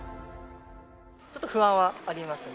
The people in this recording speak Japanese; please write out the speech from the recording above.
ちょっと不安はありますね。